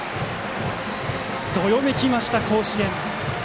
どよめきました、甲子園。